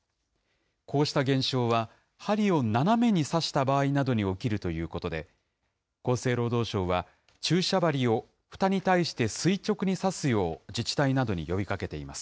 こうした現象は、針を斜めに刺した場合などに起きるということで、厚生労働省は注射針をふたに対して垂直に刺すよう自治体などに呼びかけています。